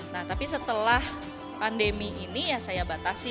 nah tapi setelah pandemi ini ya saya batasi